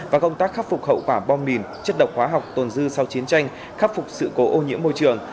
và công tác khắc phục hậu quả bom mìn chất độc hóa học tồn dư sau chiến tranh khắc phục sự cố ô nhiễm môi trường